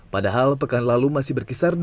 padahal pekan lalu masih berkisar